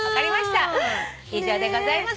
以上でございます。